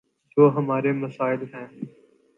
جو ہمارے مسائل ہیں۔